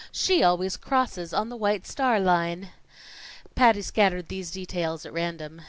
She always crosses on the White Star Line." Patty scattered these details at random.